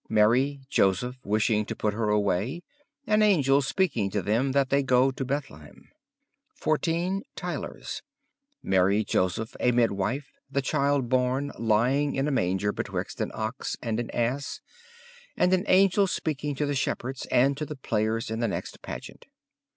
Mary, Joseph wishing to put her away; an angel speaking to them that they go to Bethlehem. 14. Tylers. Mary, Joseph, a midwife; the Child born, lying in a manger betwixt an ox and an ass, and an angel speaking to the shepherds, and to the players in the next pageant.